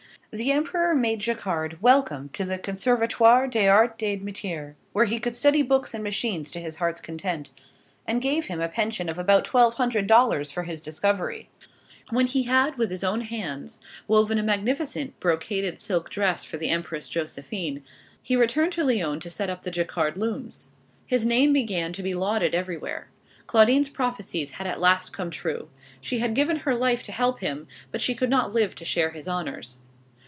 The Emperor made Jacquard welcome to the Conservatoire des Arts et Metiers, where he could study books and machines to his heart's content, and gave him a pension of about twelve hundred dollars for his discovery. When he had, with his own hands, woven a magnificent brocaded silk dress for the Empress Josephine, he returned to Lyons to set up the Jacquard looms. His name began to be lauded everywhere. Claudine's prophecies had at last come true. She had given her life to help him; but she could not live to share his honors.